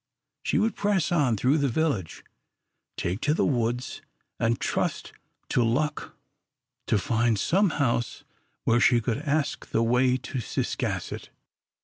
She would press on through the village, take to the woods, and trust to luck to find some house where she could ask the way to Ciscasset.